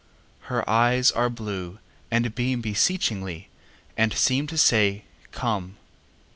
Her eyes are blue, and beamBeseechingly, and seemTo say, "Come!"